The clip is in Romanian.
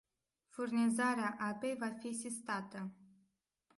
Furnizarea apei va fi sistată.